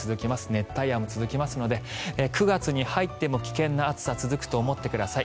熱帯夜も続きますので９月に入っても危険な暑さ続くと思ってください。